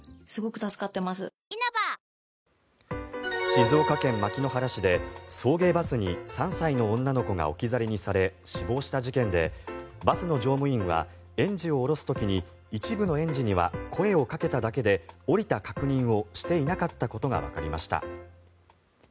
静岡県牧之原市で送迎バスに３歳の女の子が置き去りにされ死亡した事件でバスの乗務員は園児を降ろす時に一部の園児には声をかけただけで降りた確認をしていなかったことがわかりました。